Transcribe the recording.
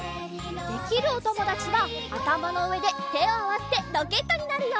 できるおともだちはあたまのうえでてをあわせてロケットになるよ。